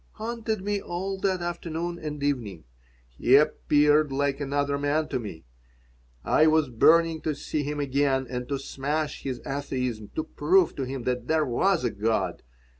haunted me all that afternoon and evening. He appeared like another man to me. I was burning to see him again and to smash his atheism, to prove to him that there was a God.